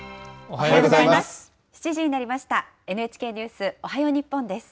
おはようございます。